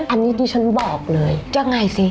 อันนี้ดิฉันบอกเลยยังไงสิ